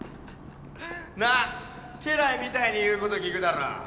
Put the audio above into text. なっ家来みたいに言うこと聞くだろ。